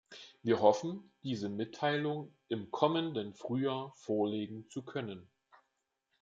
Wir hoffen, diese Mitteilung im kommenden Frühjahr vorlegen zu können.